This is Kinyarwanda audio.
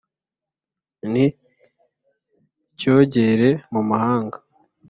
ni icyogere mu mahanga